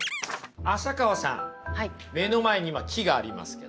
浅川さん目の前に今木がありますけど。